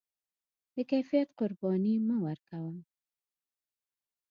د کیفیت قرباني مه ورکوه.